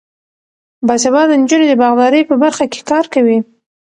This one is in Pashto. باسواده نجونې د باغدارۍ په برخه کې کار کوي.